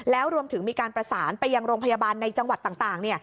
แล้วรวมถึงมีการประสานไปยังโรงพยาบาลในจังหวัดต่าง